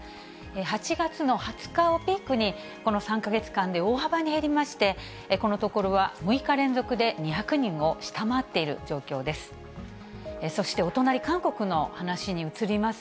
８月の２０日をピークに、この３か月間で大幅に減りまして、このところは６日連続で２００人を下回っている状況です。